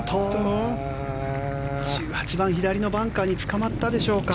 １８番、左のバンカーにつかまったでしょうか。